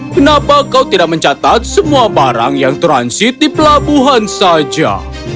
kenapa kau tidak mencatat semua barang yang transit di pelabuhan saja